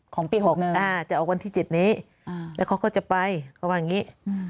ของปี๖๑จะออกวันที่๗นี้แล้วเขาก็จะไปเขาว่าอย่างนี้